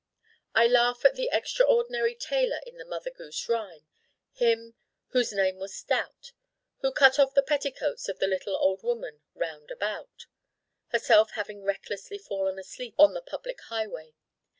I Laugh at that extraordinary tailor in the Mother Goose rhyme him 'whose name was Stout,' who cut off the petticoats of the little old woman 'round about,' herself having recklessly fallen asleep on the public highway.